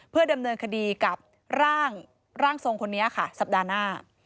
เพื่อดำเนินคดีกับร่างทรงคนนี้ค่ะสัปดาห์หน้า